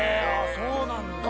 そうなんだ。